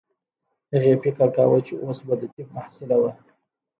هغې فکر کاوه چې اوس به د طب محصله وه